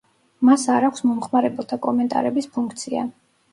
მას არ აქვს მომხმარებელთა კომენტარების ფუნქცია.